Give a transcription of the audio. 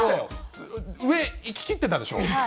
上、行ききってたでしょ。